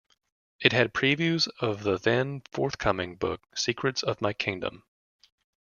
It had previews of the then forthcoming book Secrets of My Kingdom.